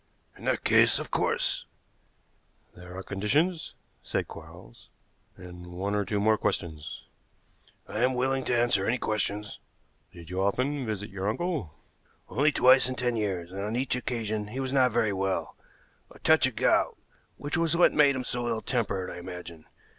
"In that case, of course " "There are conditions," said Quarles, "and one or two more questions." "I am willing to answer any questions." "Did you often visit your uncle?" "Only twice in ten years, and on each occasion he was not very well a touch of gout, which was what made him so ill tempered, I imagine.